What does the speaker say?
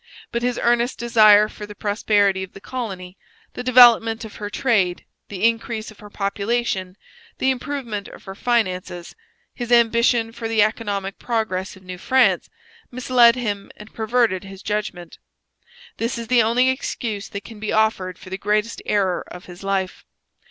But his earnest desire for the prosperity of the colony the development of her trade, the increase of her population, the improvement of her finances his ambition for the economic progress of New France, misled him and perverted his judgment. This is the only excuse that can be offered for the greatest error of his life.